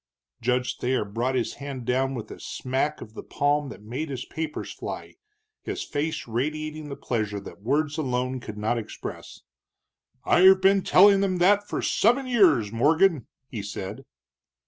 Judge Thayer brought his hand down with a smack of the palm that made his papers fly, his face radiating the pleasure that words alone could not express. "I've been telling them that for seven years, Morgan!" he said.